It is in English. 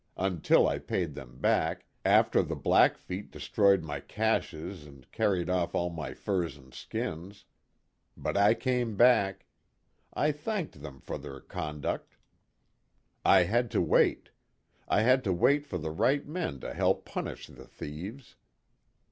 Until I paid them back, after the Blackfeet destroyed my caches and carried off all my furs and skins. But I came back. I thanked them for their conduct. 42 KIT CARSON. I had to wait. I had to wait for the right men to help punish the thieves.